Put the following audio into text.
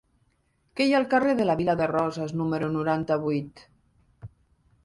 Què hi ha al carrer de la Vila de Roses número noranta-vuit?